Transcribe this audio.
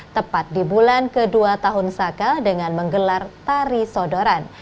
tepat di bulan kedua tahun saka dengan menggelar tari sodoran